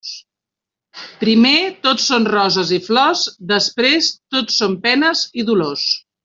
Primer tot són roses i flors, després tot són penes i dolors.